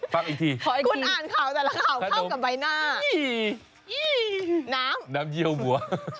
ฟังอีกทีขนมอีน้ำเยี่ยววัว